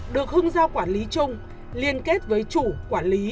được hưng giao quản lý chung liên kết với chủ quản lý